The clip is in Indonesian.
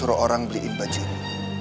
suruh orang beliin baju ini